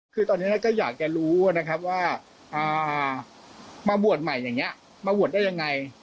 คือตอนนี้ก็อยากจะรู้นะครับว่ามาบวชใหม่อย่างนี้มาบวชได้ยังไง